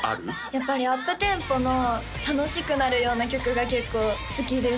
やっぱりアップテンポの楽しくなるような曲が結構好きです